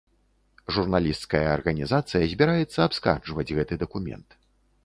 Журналісцкая арганізацыя збіраецца абскарджваць гэты дакумент.